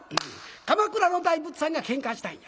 鎌倉の大仏さんがけんかしたんや」。